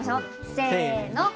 せの。